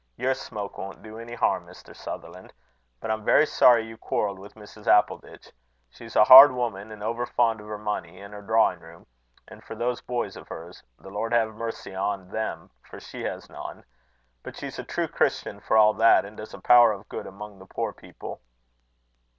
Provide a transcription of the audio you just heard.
Your smoke won't do any harm, Mr. Sutherland. But I'm very sorry you quarrelled with Mrs. Appleditch. She's a hard woman, and over fond of her money and her drawing room; and for those boys of hers the Lord have mercy on them, for she has none! But she's a true Christian for all that, and does a power of good among the poor people."